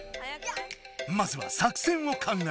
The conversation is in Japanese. まずは作戦を考えよう！